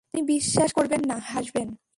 তিনি বিশ্বাস করবেন না, হাসবেন।